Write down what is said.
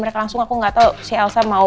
mereka langsung aku gatau si elsa mau